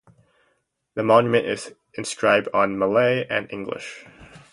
The monument is inscribed on Malay and English.